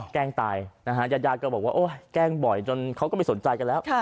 แกล้งตายนะฮะญาติยาดก็บอกว่าโอ๊ยแกล้งบ่อยจนเขาก็ไม่สนใจกันแล้ว